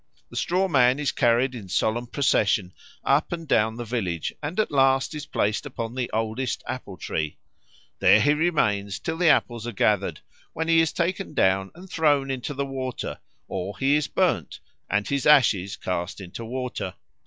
The straw man is carried in solemn procession up and down the village and at last is placed upon the oldest apple tree. There he remains till the apples are gathered, when he is taken down and thrown into the water, or he is burned and his ashes cast into water.